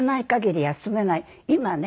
今ね